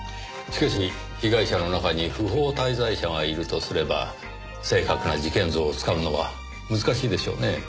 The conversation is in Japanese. しかし被害者の中に不法滞在者がいるとすれば正確な事件像をつかむのは難しいでしょうねぇ。